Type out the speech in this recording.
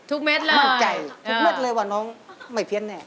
ทุกเม็ดเลยมั่งใจทุกเม็ดเลยว่าน้องไม่เพียสแน่